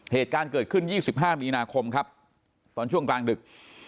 เหตุการณ์เกิดขึ้น๒๕มีนาคมครับตอนช่วงกลางดึก